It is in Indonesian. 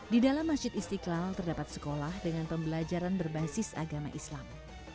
di dalam masjid istiqlal terdapat sekolah dengan pembelajaran berbasis agama islam